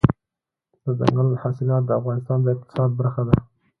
دځنګل حاصلات د افغانستان د اقتصاد برخه ده.